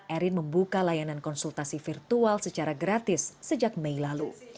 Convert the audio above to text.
erin membuka layanan konsultasi virtual secara gratis sejak mei lalu